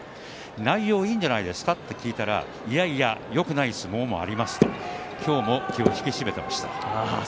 内容いいんじゃないんですか？と聞いたらいやいやよくない相撲もありますと今日も気を引き締めていました。